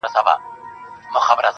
• نن مي بيا پنـځه چيلمه ووهـل.